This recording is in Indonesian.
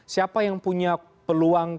siapa yang punya peluang